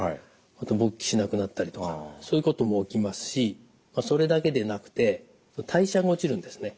あと勃起しなくなったりとかそういうことも起きますしそれだけでなくて代謝が落ちるんですね。